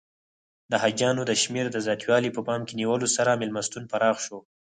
د حاجیانو د شمېر د زیاتوالي په پام کې نیولو سره میلمستون پراخ شو.